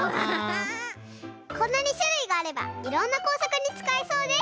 こんなにしゅるいがあればいろんなこうさくにつかえそうです！